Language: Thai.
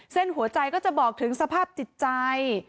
หัวใจก็จะบอกถึงสภาพจิตใจ